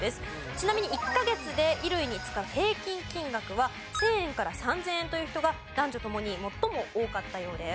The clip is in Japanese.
ちなみに１カ月で衣類に使う平均金額は１０００円から３０００円という人が男女ともに最も多かったようです。